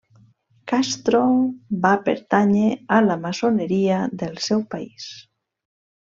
Castro va pertànyer a la Maçoneria del seu país.